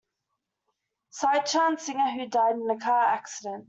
Sita Chan, singer who died in a car accident.